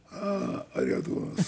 ありがとうございます。